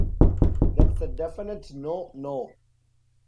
That’s a definite no-no.